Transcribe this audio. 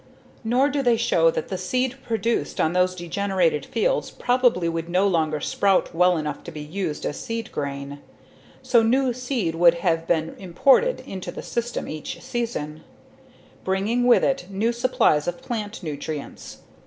Nor do they show that the seed produced on those degenerated fields probably would no longer sprout well enough to be used as seedgrain, so new seed would have been imported into the system each season, bringing with it new supplies of plant nutrients.